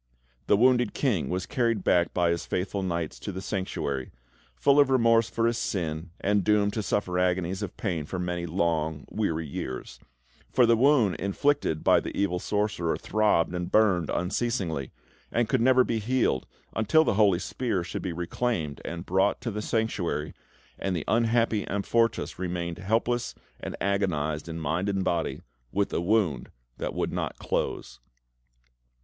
The wounded King was carried back by his faithful knights to the Sanctuary, full of remorse for his sin and doomed to suffer agonies of pain for many long, weary years; for the wound inflicted by the evil sorcerer throbbed and burned unceasingly, and could never be healed until the holy spear should be reclaimed and brought back to the Sanctuary, and the unhappy Amfortas remained helpless and agonised in mind and body, with a wound that would not close.